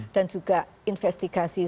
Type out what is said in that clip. dan juga investigasi